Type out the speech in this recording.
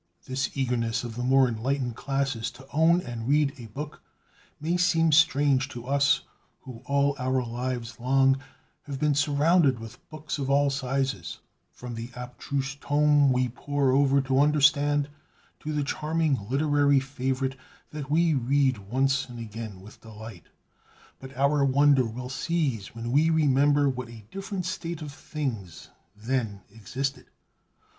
This eagerness of the more enlightened classes to own and read a book, may seem strange to us who all our lives long have been surrounded with books of all sizes, from the abstruse tome we pore over to understand, to the charming literary favorite that we read once and again with delight. But our wonder will cease when we remember what a different state of things then existed.